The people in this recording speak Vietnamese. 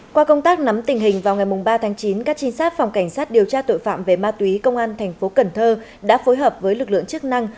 qua công tác nắm tình hình vào ngày ba tháng chín các trinh sát phòng cảnh sát điều tra tội phạm về ma túy công an tp cn đã phối hợp với lực lượng chức năng